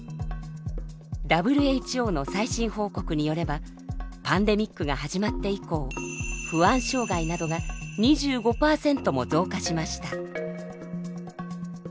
ＷＨＯの最新報告によればパンデミックが始まって以降不安障害などが２５％も増加しました。